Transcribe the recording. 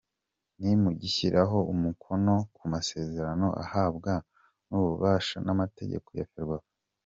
Ni mu gushyiraho umukono ku masezerano ahabwa n’ububasha n’amategeko ya Ferwafa.